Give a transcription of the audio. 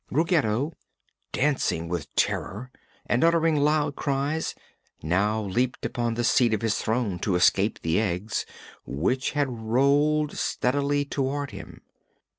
Ruggedo, dancing with terror and uttering loud cries, now leaped upon the seat of his throne to escape the eggs, which had rolled steadily toward him.